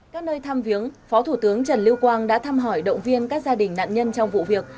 các nơi thăm viếng phó thủ tướng trần lưu quang đã thăm hỏi động viên các gia đình nạn nhân trong vụ việc